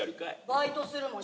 バイトするもん。